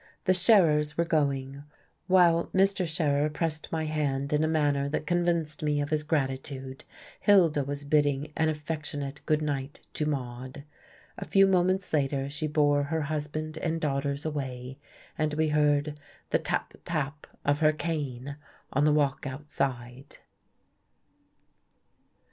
The Scherers were going. While Mr. Scherer pressed my hand in a manner that convinced me of his gratitude, Hilda was bidding an affectionate good night to Maude. A few moments later she bore her husband and daughters away, and we heard the tap tap of her cane on the walk outside....